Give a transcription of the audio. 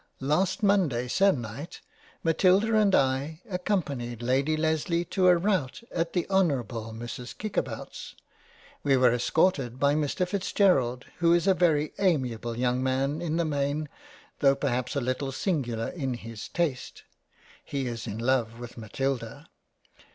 Last Monday se'night Matilda and I accom panied Lady Lesley to a Rout at the Honourable Mrs Kick about's ; we were escorted by Mr Fitzgerald who is a very amiable young Man in the main, tho' perhaps a little singular in his Taste — He is in love with Matilda —